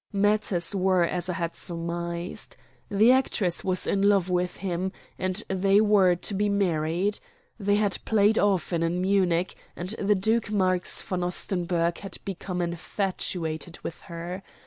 Matters were as I had surmised. The actress was in love with him, and they were to be married. They had played often in Munich, and the Duke Marx von Ostenburg had become infatuated with her.